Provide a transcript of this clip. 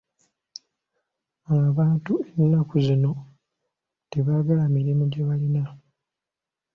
Abantu ennaku zino tebaagala mirimu gye balina.